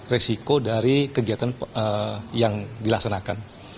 resiko dari kegiatan yang dilaksanakan